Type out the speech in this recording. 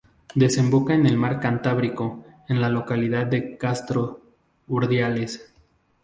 Desemboca en el mar Cantábrico, en la localidad de Castro Urdiales.